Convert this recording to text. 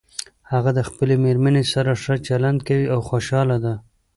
هغه د خپلې مېرمنې سره ښه چلند کوي او خوشحاله ده